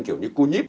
kiểu như cô nhíp